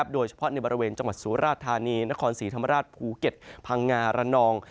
โดยเฉพาะในบริเวณจังหวัดสุราธานีนครศรีธรรมราชภูเก็ตพังงาระนอง